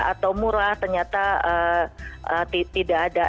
atau murah ternyata tidak ada